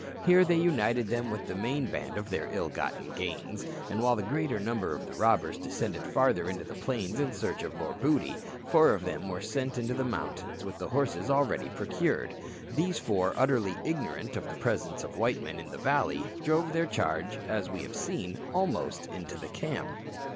Here they united them with the main band of their ill gotten gains, and while the greater number of the robbers descended farther into the plains in search of more booty, four of them were sent into the mountains with the horses already procured. These four, utterly ignorant of the presence of white men in the valley, drove their charge, as we have seen, almost into the camp.